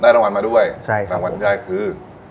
รางวัลมาด้วยรางวัลที่ได้คือ